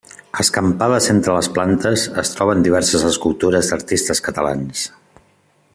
Escampades entre les plantes es troben diverses escultures d'artistes catalans.